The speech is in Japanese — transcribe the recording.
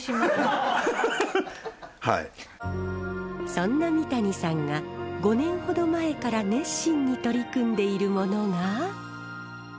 そんな三谷さんが５年ほど前から熱心に取り組んでいるものが。